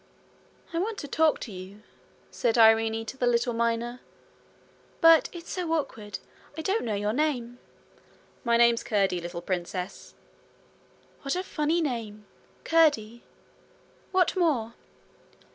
'I want to talk to you,' said Irene to the little miner; 'but it's so awkward! I don't know your name.' 'My name's Curdie, little princess.' 'What a funny name! Curdie! What more?'